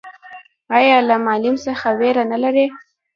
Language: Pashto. ایا له معلم څخه ویره نلري؟